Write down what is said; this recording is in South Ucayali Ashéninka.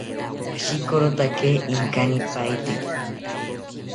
Ashikorotake inkanipaiteki